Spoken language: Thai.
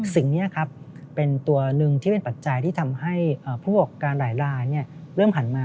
สิ่งนี้ครับเป็นตัวหนึ่งที่เป็นปัจจัยที่ทำให้ผู้ประกอบการหลายลายเริ่มหันมา